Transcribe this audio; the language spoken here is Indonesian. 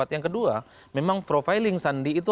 yang kedua memang profiling sandi itu